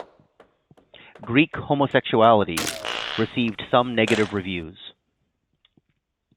"Greek Homosexuality" received some negative reviews.